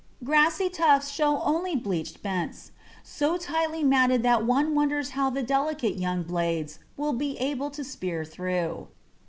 Grassy tufts show only bleached bents, so tightly matted that one wonders how the delicate young blades will be able to spear through.